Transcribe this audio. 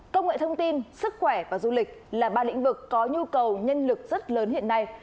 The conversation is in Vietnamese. công nghệ thông tin sức khỏe và du lịch là ba lĩnh vực có nhu cầu nhân lực rất lớn hiện nay